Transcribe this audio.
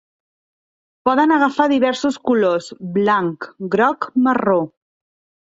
Poden agafar diversos colors: blanc, groc, marró.